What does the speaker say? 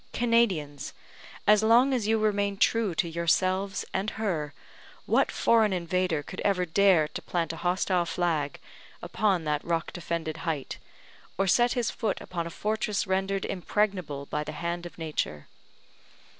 Canadians! as long as you remain true to yourselves and her, what foreign invader could ever dare to plant a hostile flag upon that rock defended height, or set his foot upon a fortress rendered impregnable by the hand of Nature?